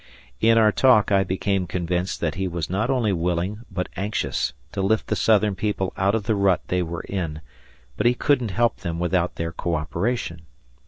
In our talk I became convinced that he was not only willing but anxious to lift the Southern people out of the rut they were in, but he couldn't help them without their coöperation.